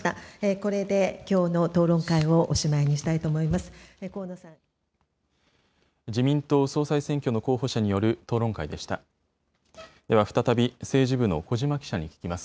これできょうの討論会をおしまいにしたいと思います。